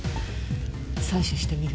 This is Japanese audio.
採取してみる？